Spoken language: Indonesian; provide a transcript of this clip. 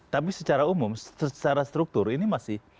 tapi secara umum secara struktur ini masih